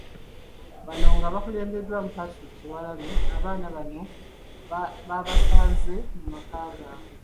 Bano nga bakulembeddwa Patrick Kyewalabye, abaana bano baabasanze mu maka gaabwe .